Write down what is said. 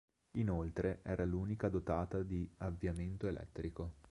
Inoltre, era l'unica dotata di avviamento elettrico.